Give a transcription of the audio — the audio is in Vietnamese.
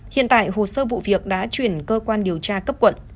hiện tại hồ sơ vụ việc đã chuyển cơ quan điều tra cấp quận